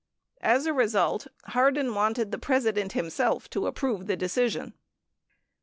As a result, Hardin wanted the President himself to approve the decision.